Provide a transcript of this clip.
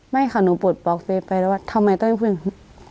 ไม่ค่ะหนูปลดบล็อกเฟสไปแล้วว่าทำไมต้องให้พูดอย่างนี้